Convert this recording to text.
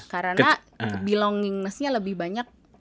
karena belongingnessnya lebih banyak